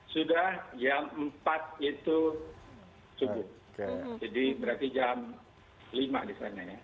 sudah jam empat itu subuh jadi berarti jam lima di sana ya